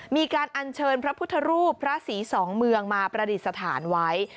มีการอัญเชิญพระพุทธรูปพระศรีสองเมืองมาประดิษฐานไว้